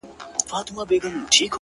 گلابي شونډي يې د بې په نوم رپيږي،